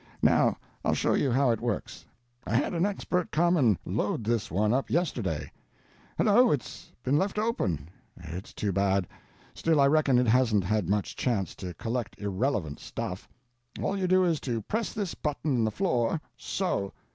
Now I'll show you how it works. I had an expert come and load this one up yesterday. Hello, it's been left open—it's too bad—still I reckon it hasn't had much chance to collect irrelevant stuff. All you do is to press this button in the floor—so."